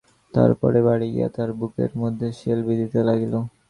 তাহার পরে বাড়ি গিয়া তাহার বুকের মধ্যে শেল বিঁধিতে লাগিল।